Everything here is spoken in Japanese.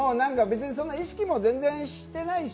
そんな意識も全然していないし、